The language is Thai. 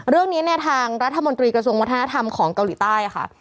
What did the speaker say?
เรื่องนี้เนี่ยทางรัฐมนตรีกระทรวงวัฒนธรรมของเกาหลีใต้ค่ะ